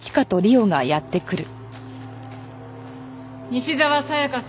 西沢紗香さん